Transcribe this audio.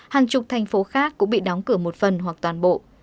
hàng chục thành phố khác cũng bị đóng cửa một phần hoặc toàn bộ